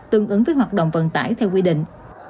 tương ứng với hoạt động vận tải theo quy định